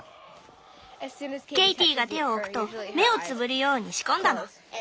ケイティが手を置くと目をつぶるように仕込んだの。